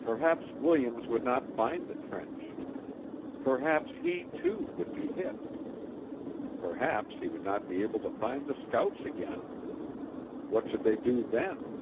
Perhaps Williams would not find the trench; perhaps he, too, would be hit; perhaps he would not be able to find the scouts again. What should they do then?